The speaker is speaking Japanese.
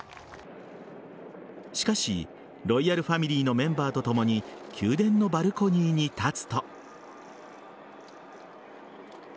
しかし、ロイヤルファミリーのメンバーとともに宮殿のバルコニーに立つと。